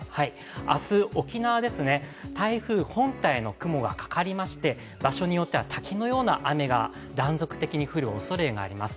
明日、沖縄、台風本体の雲がかかりまして、場所によっては滝のような雨が断続的に降るおそれがあります。